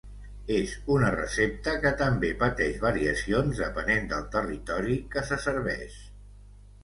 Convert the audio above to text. És una recepta, que també pateix variacions depenent del territori que se serveix.